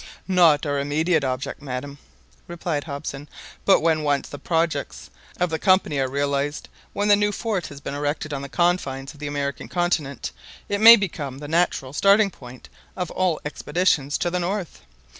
"Not our immediate object, madam," replied Hobson; "but when once the projects of the Company are realised, when the new fort has been erected on the confines of the American continent, it may become the natural starting point of all expeditions to the north.